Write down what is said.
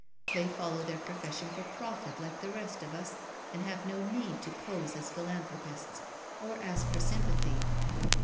They follow their profession for profit like the rest of us, and have no need to pose as philanthropists, or ask for sympathy.